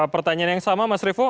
pertanyaan yang sama mas revo